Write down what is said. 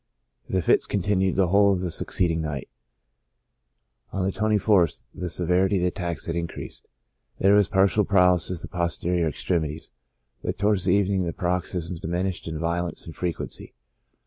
The fits continued the whole of the succeeding night. On the 24th, the se verity of the attacks had increased ; there was partial para lysis of the posterior extremities; but towards the evening the paroxysms diminished in violence and frequency.